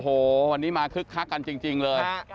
โอ้โหวันนี้มาคึกคักกันจริงเลย